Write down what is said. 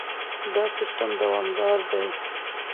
دا سیستم دوامدار دی.